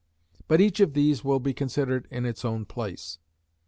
But each of these will be considered in its own place.